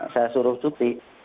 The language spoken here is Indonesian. saya suruh cuti